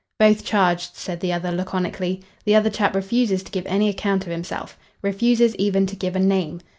"Both charged," said the other laconically. "The other chap refuses to give any account of himself. Refuses even to give a name.